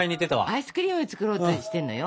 アイスクリーム作ろうとしてんのよ？